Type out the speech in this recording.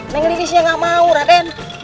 neng lilisnya gak mau raden